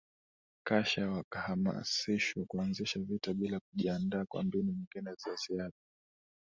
kasha wakahamasishwa kuanzisha vita bila kujiandaa kwa mbinu nyingine za ziada